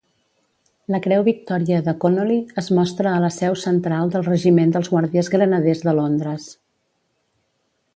La creu Victòria de Conolly es mostra a la seu central del Regiment dels Guàrdies Granaders de Londres.